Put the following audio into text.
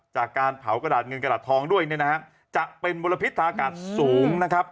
จากการเผากระดาษเงินกระดาษทองด้วยเนี่ยนะฮะจะเป็นมลพิษทางอากาศสูงนะครับ